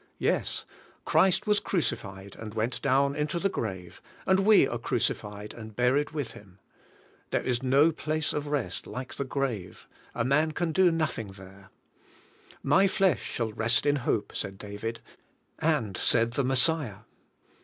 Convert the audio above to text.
Yes. Christ was crucified, and went down into the grave, and we are crucified and buried with Him. There is no place of rest like the grave; a man can do nothing there, '^My flesh shall rest in hope," said David, and said the Messiah.